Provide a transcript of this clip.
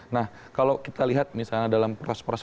nah kalau kita lihat misalnya dalam proses proses